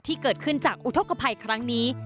ที่เกิดขึ้นจากอุทธกภัยครั้งนี้